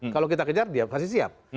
kalau kita kejar dia kasih siap